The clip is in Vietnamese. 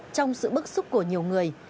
trong sự bức xúc của nhiều người